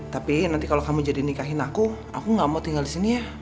tapi nanti kalau kamu jadi nikahin aku aku gak mau tinggal di sini ya